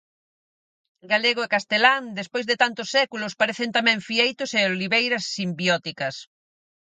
Galego e castelán, despois de tantos séculos parecen tamén fieitos e oliveiras simbióticas.